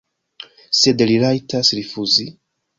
Sed li rajtas rifuzi?